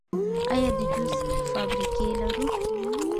آیا د جوس فابریکې لرو؟